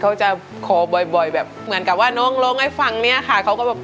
เขาจะโค้วบ่อยแบบเหมือนกับว่าน่องให้ฟังเนี่ยก็ว่า